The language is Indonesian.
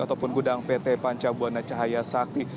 ataupun gudang pt panca buana cahaya sakti